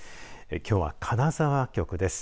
きょうは金沢局です。